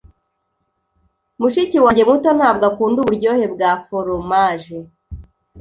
Mushiki wanjye muto ntabwo akunda uburyohe bwa foromaje.